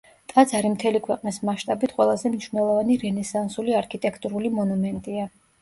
ტაძარი მთელი ქვეყნის მასშტაბით ყველაზე მნიშვნელოვანი რენესანსული არქიტექტურული მონუმენტია.